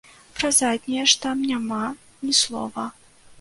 Пра заднія ж там няма ні слова.